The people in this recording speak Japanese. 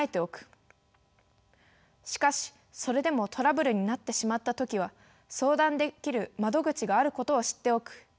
しかしそれでもトラブルになってしまった時は相談できる窓口があることを知っておく。